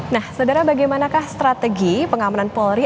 nah saudara bagaimanakah strategi pengamanan polri